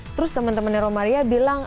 terus temen temennya romaria bilang